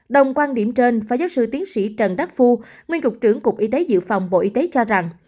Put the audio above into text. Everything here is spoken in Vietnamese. đồng quan điểm trên phó giáo sư tiến sĩ trần đắc phu nguyên cục trưởng cục y tế dự phòng bộ y tế cho rằng